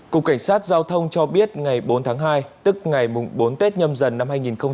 cục cảnh sát giao thông cho biết ngày bốn tháng hai tức ngày bốn tết nhâm dần năm hai nghìn hai mươi